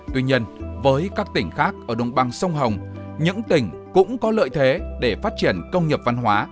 tuy nhiên với các tỉnh khác ở đồng bằng sông hồng những tỉnh cũng có lợi thế để phát triển công nghiệp văn hóa